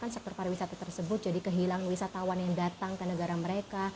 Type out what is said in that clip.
sektor pariwisata tersebut jadi kehilangan wisatawan yang datang ke negara mereka